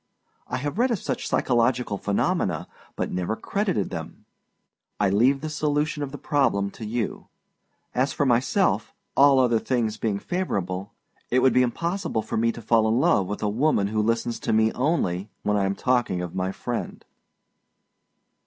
I have read of such psychological phenomena, but never credited them. I leave the solution of the problem to you. As for myself, all other things being favorable, it would be impossible for me to fall in love with a woman who listens to me only when I am talking of my friend!